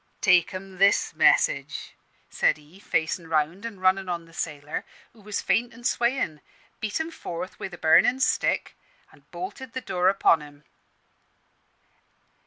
'Take 'em this message,' said he, facin' round; an', runnin' on the sailor, who was faint and swayin', beat him forth wi' the burnin' stick, and bolted the door upon him.